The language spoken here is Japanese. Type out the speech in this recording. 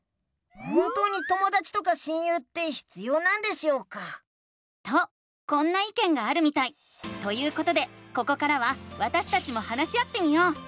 本当にともだちとか親友って必要なんでしょうか？とこんないけんがあるみたい！ということでここからはわたしたちも話し合ってみよう！